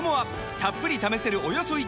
たっぷり試せるおよそ１カ月！